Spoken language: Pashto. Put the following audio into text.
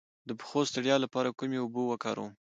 د پښو د ستړیا لپاره کومې اوبه وکاروم؟